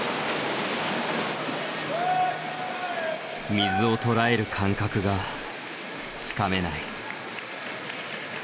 水をとらえる感覚がつかめない。